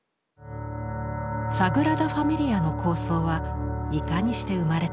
サグラダ・ファミリアの構想はいかにして生まれたのか。